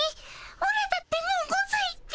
オラだってもう５さいっピ。